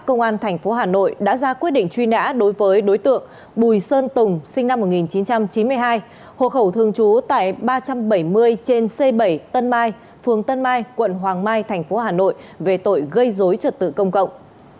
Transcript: công an tp hà nội đã ra quyết định truy nã đối với đối tượng bùi sơn tùng sinh năm một nghìn chín trăm chín mươi hai hộ khẩu thường trú tại ba trăm bảy mươi trên c bảy tân mai phường tân mai quận hoàng mai thành phố hà nội về tội gây dối trật tự công cộng